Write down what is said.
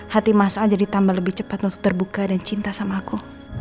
hati mas aja ditambah lebih cepat untuk terbuka dan cinta sama aku